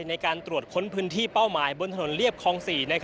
ในการตรวจค้นพื้นที่เป้าหมายบนถนนเรียบคลอง๔